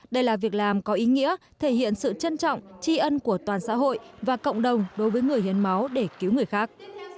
đây là việc làm có ý nghĩa thể hiện sự trân trọng tri ân của toàn xã hội và cộng đồng đối với người hiến máu để cứu người khác